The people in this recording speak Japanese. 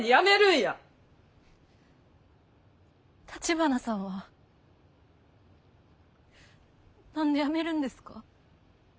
橘さんは何でやめるんですか？